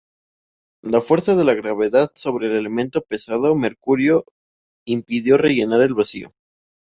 La fuerza de la gravedad sobre el elemento pesado mercurio impidió rellenar el vacío.